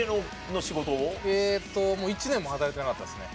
ええと１年も働いてなかったですね。